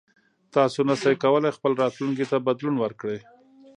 تاسو نشئ کولی خپل راتلونکي ته بدلون ورکړئ.